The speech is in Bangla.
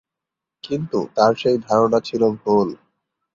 কিন্তু তার সেই ধারণা ছিল ভুল।